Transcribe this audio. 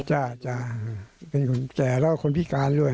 ใช่ใช่ให้แก่แล้วก็คนพิการด้วย